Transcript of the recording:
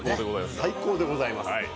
最高でございます。